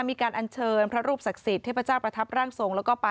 มีการอัญเชิญพระรูปศักดิ์สิทธิ์เทพเจ้าประทับร่างทรงแล้วก็ป่า